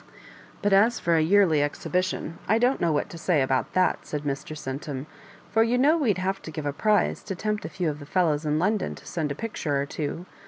^* But as for a yearly exhibition, I don't know what to say about that," said Mr. Centum, *' for you know we'd have to give a prize to tempt a few of the fellows in London to send a picture or two.